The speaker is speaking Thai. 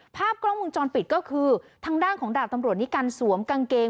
ภาพกล้องวงจรปิดก็คือทางด้านของดาบตำรวจนิกัลสวมกางเกง